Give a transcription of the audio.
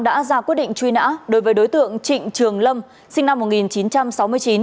đã ra quyết định truy nã đối với đối tượng trịnh trường lâm sinh năm một nghìn chín trăm sáu mươi chín